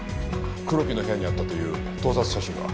黒木の部屋にあったという盗撮写真は？